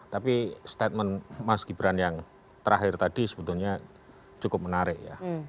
tapi statement mas gibran yang terakhir tadi sebetulnya cukup menarik ya